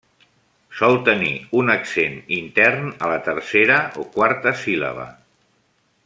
Sol tenir un accent intern a la tercera o quarta síl·laba.